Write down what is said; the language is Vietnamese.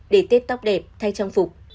để tết tóc đẹp thay trang phục